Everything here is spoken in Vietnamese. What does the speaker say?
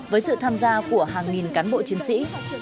với sự tham gia của hàng nghìn cán bộ chiến sĩ